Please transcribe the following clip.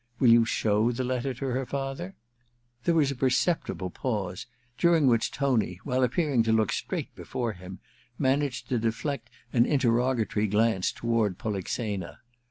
Will you show the letter to her father ?' There was a perceptible pause, during which Tony, while appearing to look straight before him, managed to deflect an interrogatory glance toward Polixena.